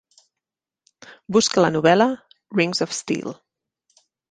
Busca la novel·la Rings of steel